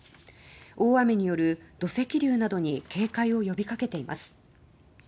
大雨による土石流などに警戒を呼びかけています。